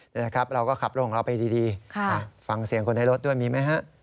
นี่นะครับเราก็ขับรถของเราไปดีฟังเสียงคนในรถด้วยมีไหมฮะ